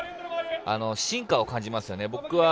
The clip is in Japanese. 進化を感じますよね。